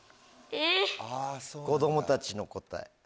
子供たちの答え。